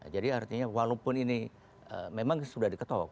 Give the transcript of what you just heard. jadi artinya walaupun ini memang sudah diketok